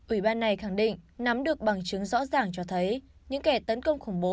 ủy ban này khẳng định nắm được bằng chứng rõ ràng cho thấy những kẻ tấn công khủng bố